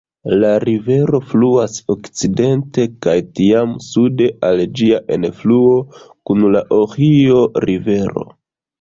La rivero fluas okcidente kaj tiam sude al ĝia enfluo kun la Ohio-Rivero.